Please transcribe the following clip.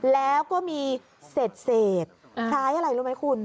แล้วก็มีเศษคล้ายอะไรรู้ไหมคุณ